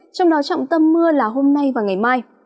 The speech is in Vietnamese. trong đó trọng tâm mưa là hôm nay và ngày mai